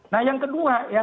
nah yang kedua ya